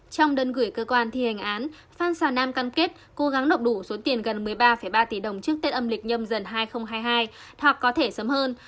trong đơn gửi cơ quan thi hành án phan xà nam cam kết cố gắng nộp đủ số tiền gần một mươi ba ba tỷ đồng trước tết âm lịch nhâm dần hai nghìn hai mươi hai hoặc có thể sớm hơn